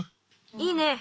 いいね！